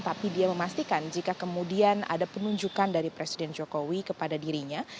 tapi dia memastikan jika kemudian ada penunjukan dari presiden jokowi kepada dirinya